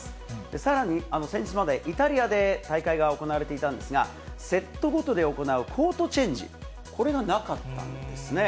さらに、先日までイタリアで大会が行われていたんですが、セットごとで行うコートチェンジ、これがなかったんですね。